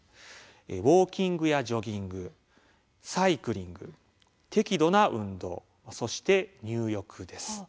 ウォーキングやジョギングサイクリング、適度な運動そして入浴です。